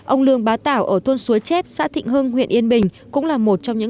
ông lương bá tảo ở thôn xúa chép xã thịnh hưng huyện yên bình cũng là một trong những